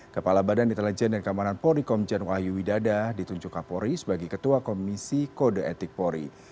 kepala badan intelijen dan kamanan poli komjen wahyu widada ditunjukkan poli sebagai ketua komisi kode etik poli